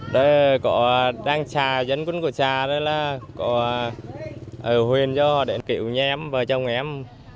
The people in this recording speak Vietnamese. đây có đang xà dân quân của xà đây là có ở huyện cho họ để kiểu nhà em và chồng em